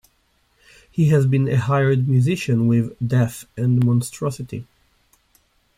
He has been a hired musician with Death and Monstrosity.